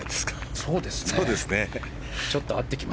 そうですね。